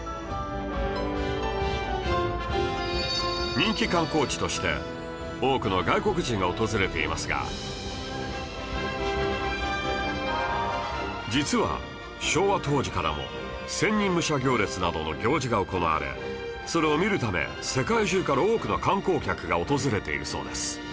人気観光地として実は昭和当時からも千人武者行列などの行事が行われそれを見るため世界中から多くの観光客が訪れているそうです